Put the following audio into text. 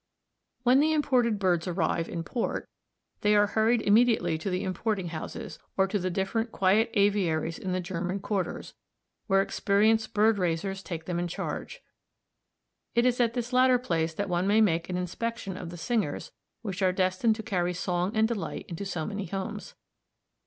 When the imported birds arrive in port, they are hurried immediately to the importing houses, or to the different quiet aviaries in the German quarters, where experienced bird raisers take them in charge. It is at this latter place that one may make an inspection of the singers which are destined to carry song and delight into so many homes.